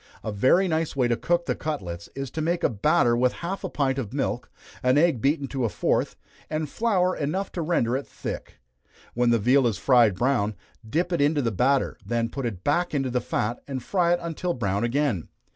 A very nice way to cook the cutlets, is to make a batter with half a pint of milk, an egg beaten to a froth, and flour enough to render it thick. When the veal is fried brown, dip it into the batter, then put it back into the fat, and fry it until brown again.